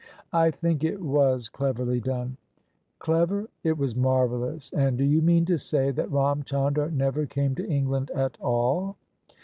"" I think it was cleverly done." Clever? It was marvellous! And do you mean to say that Ram Chandar never came to England at all?